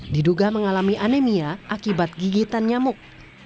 diduga mengalami anemia akibat gigitan nyamuk